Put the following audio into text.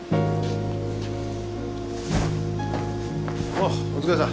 おっお疲れさん。